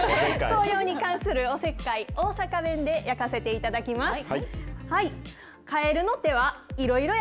紅葉に関するおせっかい、大阪弁で焼かせていただきます。